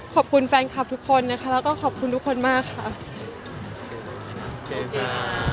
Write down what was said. ขอบคุณแฟนคลับทุกคนนะคะแล้วก็ขอบคุณทุกคนมากค่ะ